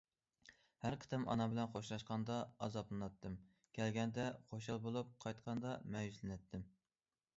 ھەر قېتىم ئانام بىلەن خوشلاشقاندا ئازابلىناتتىم، كەلگەندە خۇشال بولۇپ، قايتقاندا مەيۈسلىنەتتىم.